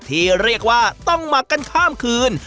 ที่เรียกว่าต้องหมักกันข้ามคืน